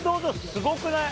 すごくない？